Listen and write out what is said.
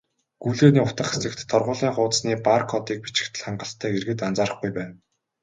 "Гүйлгээний утга" хэсэгт торгуулийн хуудасны бар кодыг л бичихэд хангалттайг иргэд анзаарахгүй байна.